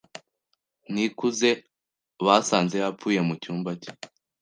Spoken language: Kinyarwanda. Nikuze basanze yapfuye mu cyumba cye.